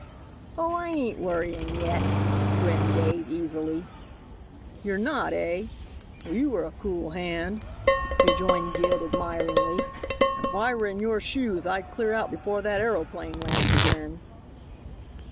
"Oh, I ain't worrying yet," grinned Dade easily. "You're not, eh? Well, you are a cool hand," rejoined Gid admiringly. "If I were in your shoes I'd clear out before that aeroplane lands again."